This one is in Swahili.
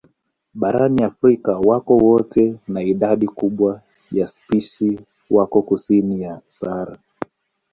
Barani Afrika wako kote na idadi kubwa ya spishi wako kusini ya Sahara.